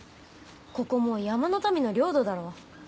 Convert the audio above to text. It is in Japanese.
ここもう山の民の領土だろ？